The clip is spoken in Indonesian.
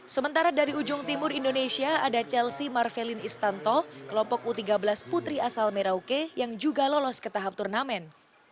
sementara dari ujung timur indonesia ada chelsea marvelin istanto kelompok u tiga belas putri asal merauke yang juga lolos ke tahap turnamen